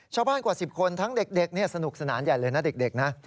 ชาวบ้านกว่า๑๐คนทั้งเด็กนี่สนุกสนานใหญ่เลยนะเด็กนะ